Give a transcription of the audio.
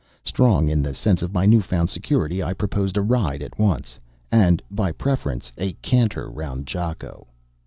Strong in the sense of my new found security, I proposed a ride at once; and, by preference, a canter round Jakko.